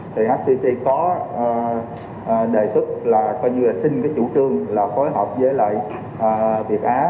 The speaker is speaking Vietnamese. thì hcc có đề xuất là coi như là xin cái chủ trương là phối hợp với lại việt á